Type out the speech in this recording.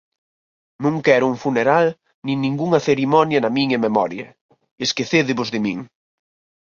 "Non quero un funeral, nin ningunha cerimonia na miña memoria... esquecédevos de min".